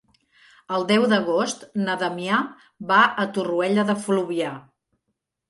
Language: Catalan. El deu d'agost na Damià va a Torroella de Fluvià.